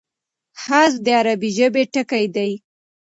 حذف د عربي ژبي ټکی دﺉ.